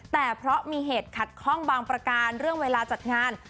แต่เพราะมีเหตุขัดข้องบางประการเรื่องเวลาจัดงาน